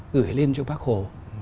gửi lên cho bác hồ